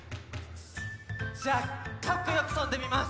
じゃあかっこよくとんでみます。